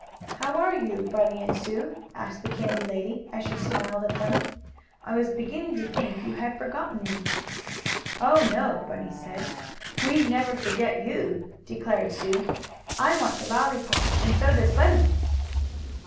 "How are you, Bunny and Sue?" asked the candy lady as she smiled at them. "I was beginning to think you had forgotten me." "Oh, no," Bunny said. "We'd never forget you," declared Sue. "I want a lollypop and so does Bunny."